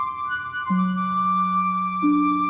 neng mah kayak gini